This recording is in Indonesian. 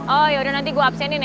oh yaudah nanti gue absenin ya